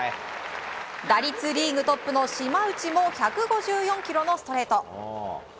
打率リーグトップの島内も１５４キロのストレート。